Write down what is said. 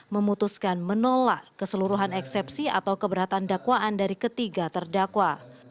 memutuskan menolak keseluruhan eksepsi atau keberatan dakwaan dari ketiga terdakwa